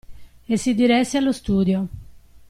E si diresse allo studio.